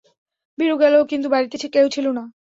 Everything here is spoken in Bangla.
ভিরু গেল কিন্তু বাড়িতে কেউ ছিল না।